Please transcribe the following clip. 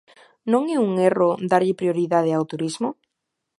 Non é un erro darlle prioridade ao turismo?